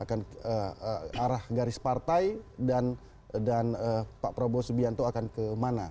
akan arah garis partai dan pak prabowo subianto akan kemana